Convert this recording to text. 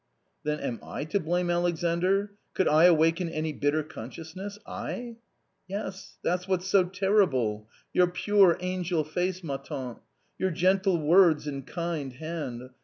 " Then am I to blame, Alexandr ? Could I awaken any bitter consciousness — I ?"" Yes, that's what's so terrible ! Your pure angel face, ma tante, your gentle words and kind hand